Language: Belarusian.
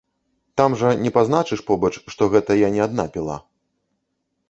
Там жа не пазначыш побач, што гэта я не адна піла.